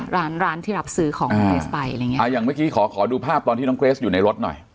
ร้านร้านที่รับซื้อของน้องเกรสไปอะไรอย่างเงี้อ่าอย่างเมื่อกี้ขอขอดูภาพตอนที่น้องเกรสอยู่ในรถหน่อย